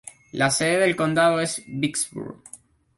La sede del condado es Vicksburg.